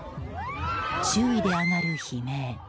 周囲で上がる悲鳴。